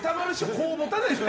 こう持たないでしょ。